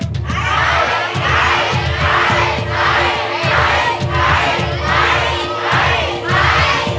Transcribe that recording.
ใช้